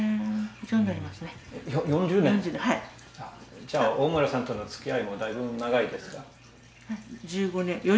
じゃあ大村さんとのつきあいもだいぶ長いですか？